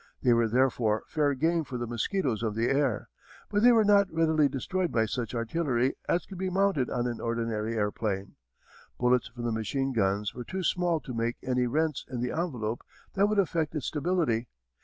They were therefore fair game for the mosquitoes of the air. But they were not readily destroyed by such artillery as could be mounted on an ordinary airplane. Bullets from the machine guns were too small to make any rents in the envelope that would affect its stability.